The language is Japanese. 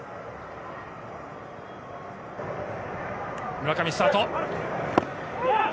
村上スタート。